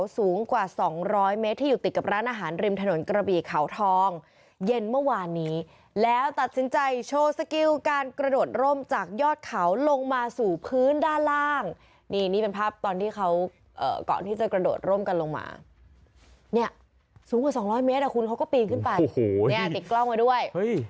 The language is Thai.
สถานริมถนนกระบีเขาทองเย็นเมื่อวานนี้แล้วตัดสินใจโชว์สกิลการกระโดดร่มจากยอดเขาลงมาสู่พื้นด้านล่างนี่เป็นภาพตอนที่เขาก่อนที่จะกระโดดร่มกันลงมานี่สูงกว่า๒๐๐เมตรเขาก็ปีนขึ้นไปนี่ติดกล้องไว้ด้วย